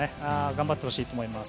頑張ってほしいと思います。